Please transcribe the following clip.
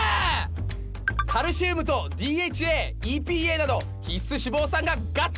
カルシウムとＤＨＡ・ＥＰＡなど必須脂肪酸がガッツリ！